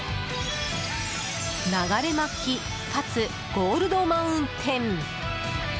流れ巻活ゴールドマウンテン。